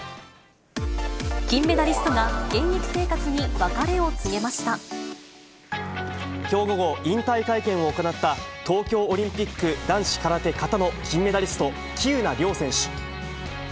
金メダリストが現役生活に別きょう午後、引退会見を行った、東京オリンピック男子空手形の金メダリスト、喜友名諒選手。